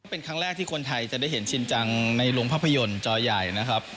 เป็นครั้งแรกที่คนไทยจะได้เห็นชินจังในโรงภาพยนตร์จอใหญ่นะครับ